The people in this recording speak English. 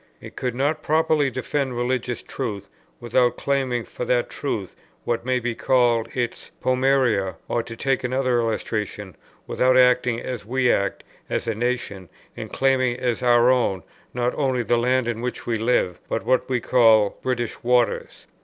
It could not properly defend religious truth, without claiming for that truth what may be called its pom[oe]ria; or, to take another illustration, without acting as we act, as a nation, in claiming as our own, not only the land on which we live, but what are called British waters.